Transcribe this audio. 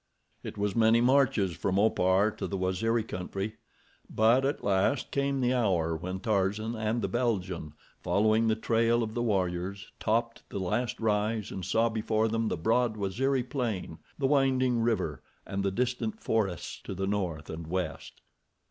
It was many marches from Opar to the Waziri country; but at last came the hour when Tarzan and the Belgian, following the trail of the warriors, topped the last rise, and saw before them the broad Waziri plain, the winding river, and the distant forests to the north and west.